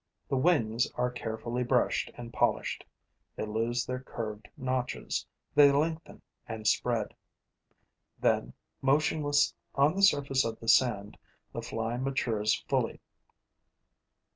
The wings are carefully brushed and polished; they lose their curved notches; they lengthen and spread. Then, motionless on the surface of the sand, the fly matures fully.